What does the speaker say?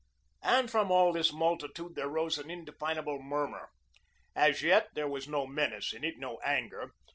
And from all this multitude there rose an indefinable murmur. As yet, there was no menace in it, no anger.